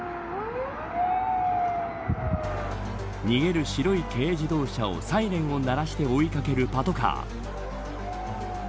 逃げる白い軽自動車をサイレンを鳴らして追い掛けるパトカー。